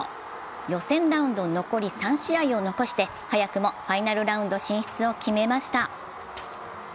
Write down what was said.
予選ラウンド残り３試合を残して早くもファイナルラウンド進出を決めました。